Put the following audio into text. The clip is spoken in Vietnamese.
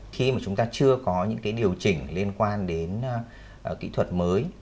khi mà chúng ta chưa có những cái điều chỉnh liên quan đến kỹ thuật mới